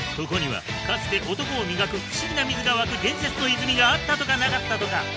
ここにはかつて男を磨く不思議な水が湧く伝説の泉があったとかなかったとか